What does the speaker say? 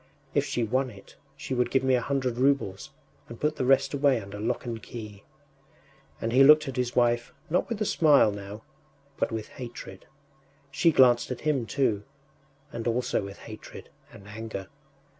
If she won it she would give me a hundred roubles, and put the rest away under lock and key.” And he looked at his wife, not with a smile now, but with hatred. She glanced at him too, and also with hatred and anger.